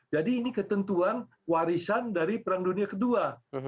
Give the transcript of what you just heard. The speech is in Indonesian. jadi ini ketentuan warisan dari perang dunia kedua